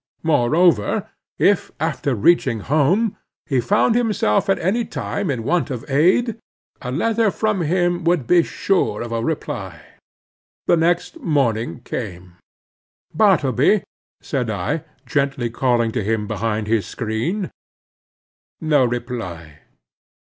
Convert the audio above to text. Moreover, if, after reaching home, he found himself at any time in want of aid, a letter from him would be sure of a reply. The next morning came. "Bartleby," said I, gently calling to him behind his screen. No reply.